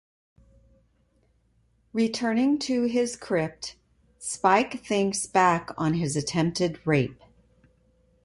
Returning to his crypt, Spike thinks back on his attempted rape.